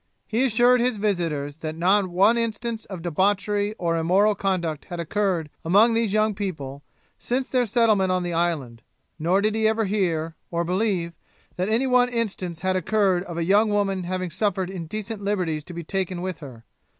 He assured his visitors that not one instance of debauchery or immoral conduct had occurred among these young people, since their settlement on the island; nor did he ever hear, or believe, that any one instance had occurred of a young woman having suffered indecent liberties to be taken with her.